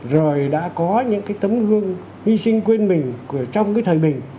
rồi đã có những cái tấm gương hy sinh quên mình trong cái thời bình